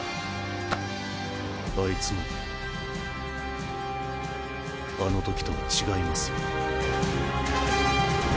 あいつもあの時とは違いますよ。